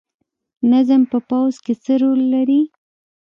نظم په پوځ کې څه رول لري؟